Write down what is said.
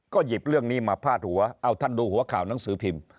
ก็หยิบเรื่องนี้มาพาดหัวเอาท่านดูหัวข่าวหนังสือพิมพ์